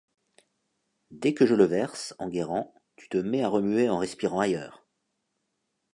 Dès que je le verse, Enguerrand, tu te mets à remuer en respirant ailleurs.